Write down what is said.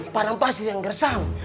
panam pasir yang gersam